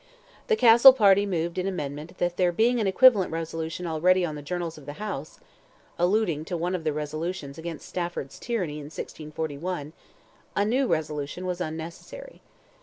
The Castle party moved in amendment that "there being an equivalent resolution already on the journals of the House"—alluding to one of the resolutions against Stafford's tyranny in 1641—a new resolution was unnecessary.